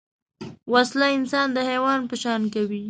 وسله انسان د حیوان په شان کوي